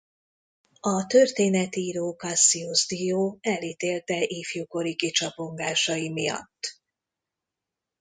A történetíró Cassius Dio elítélte ifjúkori kicsapongásai miatt.